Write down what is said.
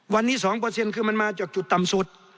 วันนี้๒คือมันมาจากจุดต่ำสุด